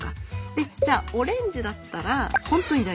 でじゃあオレンジだったら本当に大丈夫。